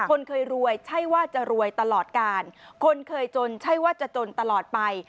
คนเคยรวยใช่ว่าจะรวยตลอดการคนเคยจนใช่ว่าจะจนตลอดไป